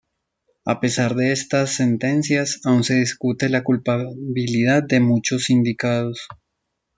A pesar de estas sentencias, aún se discute la culpabilidad de muchos sindicados.